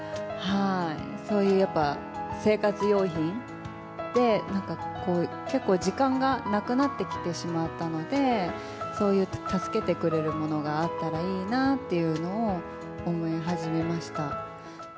そういうやっぱ生活用品で、なんか、結構、時間がなくなってきてしまったので、そういう助けてくれるものがあったらいいなっていうのを思い始めました。